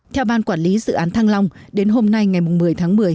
theo ban quản lý dự án thăng long đến hôm nay ngày một mươi tháng một mươi